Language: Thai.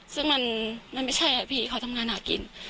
ซึ่งมันไม่ใช่อะพี่เขาทำงานหากิน